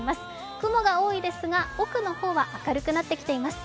雲が多いですが、奥の方は明るくなってきました。